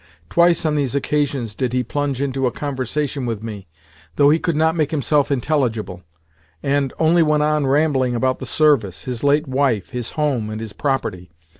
Twice, on these occasions, did he plunge into a conversation with me, though he could not make himself intelligible, and only went on rambling about the service, his late wife, his home, and his property.